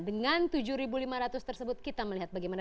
dengan tujuh lima ratus tersebut kita melihat bagaimana